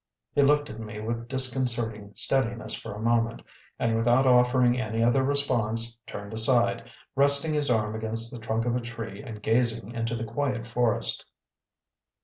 He looked at me with disconcerting steadiness for a moment, and, without offering any other response, turned aside, resting his arm against the trunk of a tree and gazing into the quiet forest.